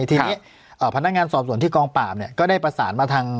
ทีนี้พนักงานสอบส่วนที่กองปราบก็ได้ประสานมาทาง